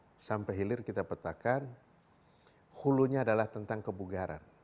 nah sampai hilir kita petakan hulunya adalah tentang kebugaran